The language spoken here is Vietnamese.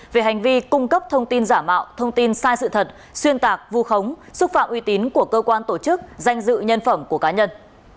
về hành vi cung cấp thông tin giả mạo thông tin sai sự thật xuyên tạc vu khống xúc phạm uy tín của cơ quan tổ chức danh dự nhân phẩm của cá nhân